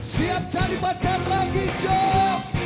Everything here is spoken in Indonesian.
siap jadi pacar lagi joe